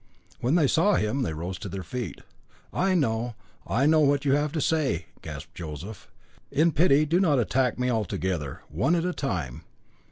When they saw him they rose to their feet. "I know, I know what you have to say," gasped Joseph. "In pity do not attack me all together. One at a time.